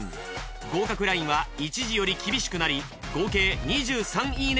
合格ラインは一次より厳しくなり合計「２３いいね！」